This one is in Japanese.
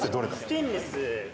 ステンレス。